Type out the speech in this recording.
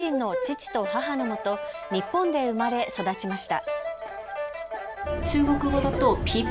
さくらさんは中国人の父と母のもと、日本で生まれ育ちました。